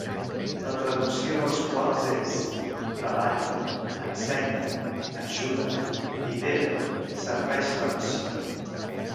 La traducció dels quals és Treballa, Ensenya, Ajuda, Lidera - Serveix la Nació.